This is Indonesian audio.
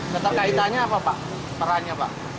keterkaitannya apa pak